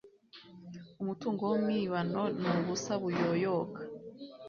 Umutungo w’umwibano ni ubusa buyoyoka